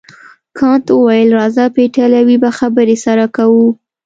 کانت وویل راځه په ایټالوي به خبرې سره کوو.